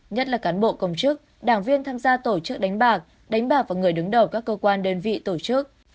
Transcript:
nhất là cán bộ công chức đảng viên tham gia tổ chức đánh bạc đánh bạc vào người đứng đầu các cơ quan đơn vị tổ chức